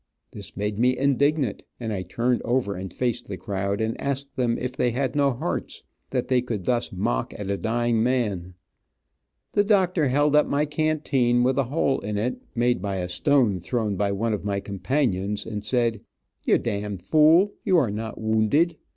This made me indignant, and I turned over and faced the crowd, and asked them if they had no hearts, that they could thus mock at a dying man. The doctor held up my canteen with a hole in it, made by a stone thrown by one of my companions, and said, "You d d fool, you are not wounded.